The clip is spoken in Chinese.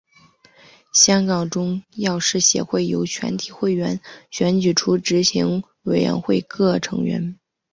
香港中药师协会由全体会员选举出执行委员会各成员。